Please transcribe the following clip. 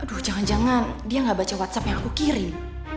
aduh jangan jangan dia nggak baca whatsapp yang aku kirim